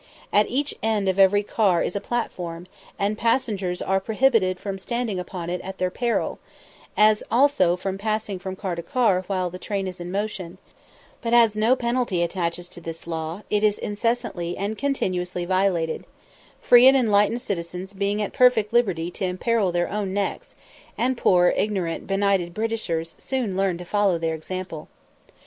At each end of every car is a platform, and passengers are "prohibited from standing upon it at their peril," as also from passing from car to car while the train is in motion; but as no penalty attaches to this law, it is incessantly and continuously violated, "free and enlightened citizens" being at perfect liberty to imperil their own necks; and "poor, ignorant, benighted Britishers" soon learn to follow their example.